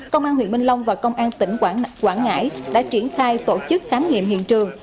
công an huyện minh long và công an tỉnh quảng ngãi đã triển khai tổ chức khám nghiệm hiện trường